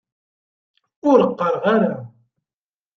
Ur qqareɣ ara.